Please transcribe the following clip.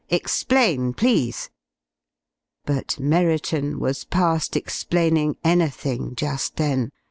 Explain, please!" But Merriton was past explaining anything just then.